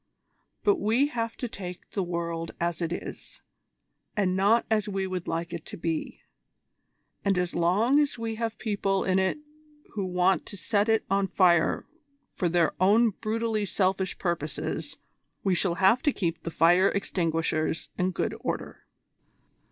But we have to take the world as it is, and not as we would like it to be; and as long as we have people in it who want to set it on fire for their own brutally selfish purposes, we shall have to keep the fire extinguishers in good order."